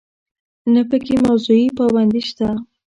نه په کې موضوعي پابندي شته.